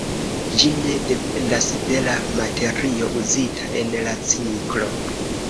Ĝi ne dependas de la materio uzita en la ciklo.